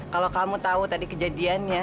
kalau kamu tahu tadi kejadiannya